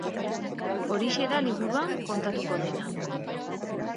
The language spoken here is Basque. Horixe da liburuan kontatuko dena.